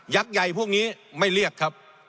ใหญ่พวกนี้ไม่เรียกครับ